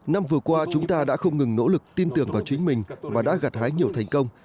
năm vừa qua chúng ta đã không ngừng nỗ lực tin tưởng vào chính mình và đã gặt hái nhiều thành công